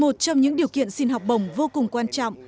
một trong những điều kiện xin học bổng vô cùng quan trọng